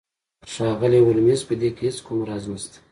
ښاغلی هولمز په دې کې هیڅ کوم راز نشته